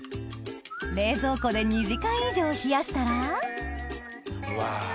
冷蔵庫で２時間以上冷やしたらうわ